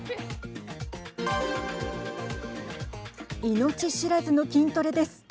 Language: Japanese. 命知らずの筋トレです。